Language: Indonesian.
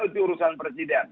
itu urusan presiden